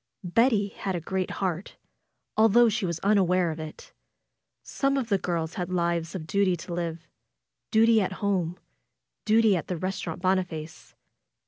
Betty had a great heart, although she was unaware of it. Some of the girls had lives of duty to live — duty at home; duty at the Eestaurant Boniface.